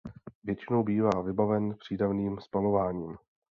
Většinou bývá vybaven přídavným spalováním.